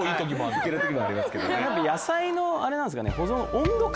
野菜のあれなんですかね。